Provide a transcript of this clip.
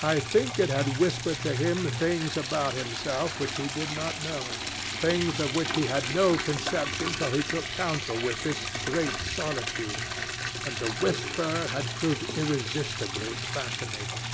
I think it had whispered to him things about himself which he did not know, things of which he had no conception till he took counsel with this great solitude and the whisper had proved irresistibly fascinating.